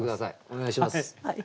お願いします。